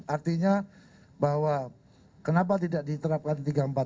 artinya bahwa kenapa tidak diterapkan tiga ratus empat puluh